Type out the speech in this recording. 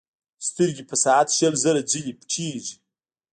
سترګې په ساعت شل زره ځلې پټېږي.